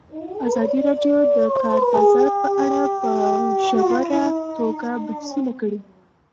ازادي راډیو د د کار بازار په اړه په ژوره توګه بحثونه کړي.